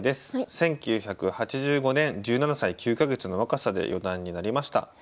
１９８５年１７歳９か月の若さで四段になりました。